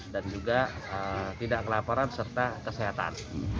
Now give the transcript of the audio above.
dan juga tidak kelaporan serta kesehatan